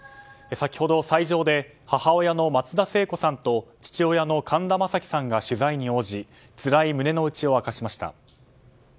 先ほど、斎場で母親の松田聖子さんと父親の神田正輝さんが取材に応じつらい胸の内を明かしました。